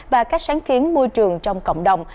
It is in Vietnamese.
và các sáng kiến môi trường trong cộng đồng